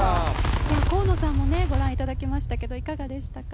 河野さんもご覧いただきましたけどいかがでしたか？